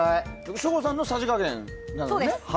省吾さんのさじ加減なのね。